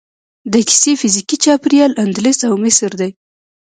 د کیسې فزیکي چاپیریال اندلس او مصر دی.